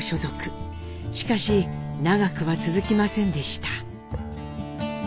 しかし長くは続きませんでした。